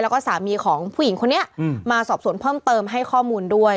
แล้วก็สามีของผู้หญิงคนนี้มาสอบสวนเพิ่มเติมให้ข้อมูลด้วย